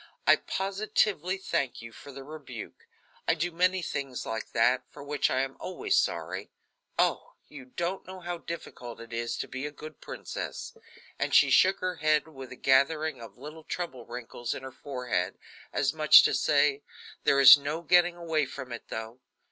I positively thank you for the rebuke. I do many things like that, for which I am always sorry. Oh! you don't know how difficult it is to be a good princess." And she shook her head, with a gathering of little trouble wrinkles in her forehead, as much as to say, "There is no getting away from it, though."